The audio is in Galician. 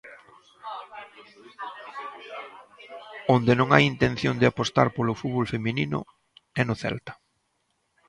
Onde non hai intención de apostar polo fútbol feminino é no Celta.